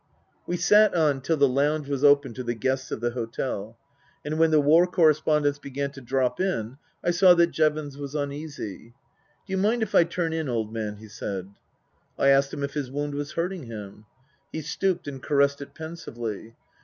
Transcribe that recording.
We sat on till the lounge was open to the guests of the hotel. And when the war correspondents began to drop in I saw that Jevons was uneasy. " D'you mind if I turn in, old man ?" he said. I asked him if his wound was hurting him. He stooped and caressed it pensively.